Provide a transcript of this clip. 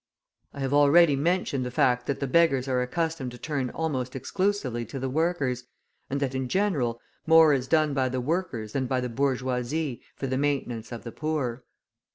I have already mentioned the fact that the beggars are accustomed to turn almost exclusively to the workers, and that, in general, more is done by the workers than by the bourgeoisie for the maintenance of the poor.